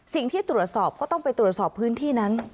สิ่งที่ตรวจสอบก็ต้องไปตรวจสอบพื้นที่นั้น